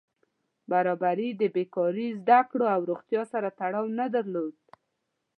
برابري د بېکاري، زده کړو او روغتیا سره تړاو نه درلود.